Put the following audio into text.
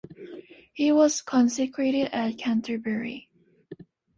He was consecrated at Canterbury.